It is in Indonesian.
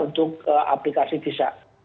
untuk aplikasi visa